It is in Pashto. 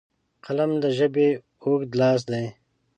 قلم د ژبې اوږد لاس دی